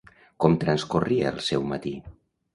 Com transcorria el seu matí?